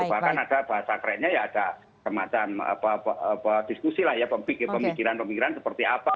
bahkan ada bahasa kerennya ya ada semacam diskusi lah ya pemikiran pemikiran seperti apa